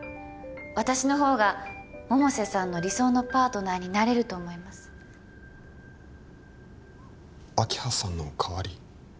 私のほうが百瀬さんの理想のパートナーになれると思います明葉さんの代わり？